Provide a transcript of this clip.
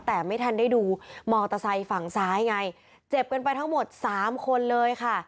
แต่ไม่ทันได้ดูมอเตอร์ไซค์ฝั่งซ้ายไงเจ็บกันไปทั้งหมดสามคนเลยค่ะ